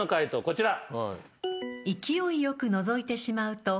こちら。